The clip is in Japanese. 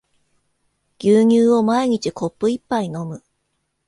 牛乳を毎日コップ一杯飲む